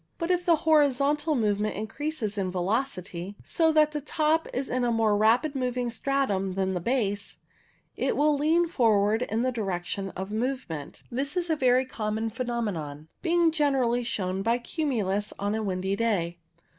But if the horizontal movement increases in velocity, so that the top is in a more rapidly moving stratum than the base, it will lean forward in the direction of movement. This is a very common phenomenon, being generally shown by cumulus on a windy day.